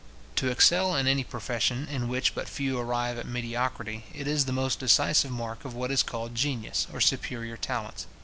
To excel in any profession, in which but few arrive at mediocrity, is the most decisive mark of what is called genius, or superior talents.